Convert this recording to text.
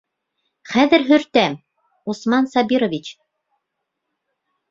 Хәҙер һөртәм, Усман Сабирович.